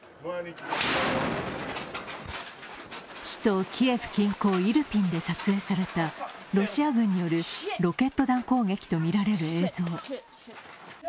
首都キエフ近郊イルピンで撮影されたロシア軍によるロケット弾攻撃と見られる映像。